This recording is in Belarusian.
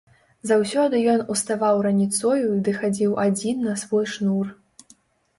Заўсёды ён уставаў раніцою ды хадзіў адзін на свой шнур.